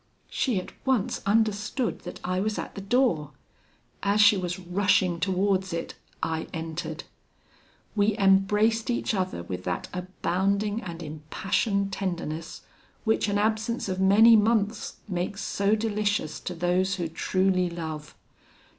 She at once understood that I was at the door; as she was rushing towards it, I entered. We embraced each other with that abounding and impassioned tenderness, which an absence of many months makes so delicious to those who truly love.